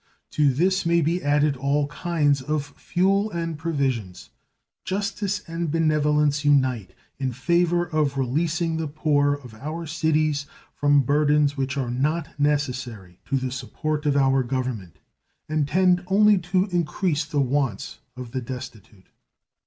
To this may be added all kinds of fuel and provisions. Justice and benevolence unite in favor of releasing the poor of our cities from burdens which are not necessary to the support of our Government and tend only to increase the wants of the destitute.